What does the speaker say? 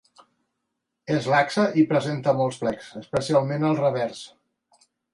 És laxa i presenta molts plecs, especialment al revers.